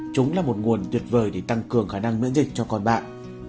chúng là một nguồn tuyệt vời để tăng cường khả năng miễn dịch cho con bạn